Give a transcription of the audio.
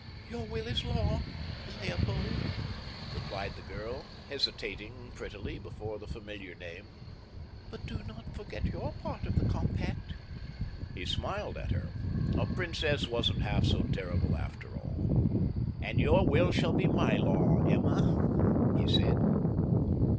"Your will is law—Leopold," replied the girl, hesitating prettily before the familiar name, "but do not forget your part of the compact." He smiled at her. A princess wasn't half so terrible after all. "And your will shall be my law, Emma," he said.